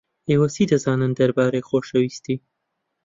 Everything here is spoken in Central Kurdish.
ئێوە چی دەزانن دەربارەی خۆشەویستی؟